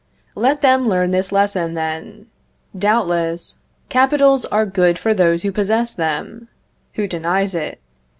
Let them learn this lesson, then; doubtless, capitals are good for those who possess them: who denies it?